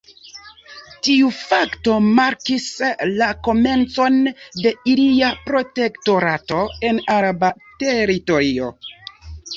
Tiu fakto markis la komencon de ilia protektorato en araba teritorio.